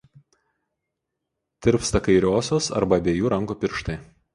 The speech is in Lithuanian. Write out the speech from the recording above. Tirpsta kairiosios arba abiejų rankų pirštai.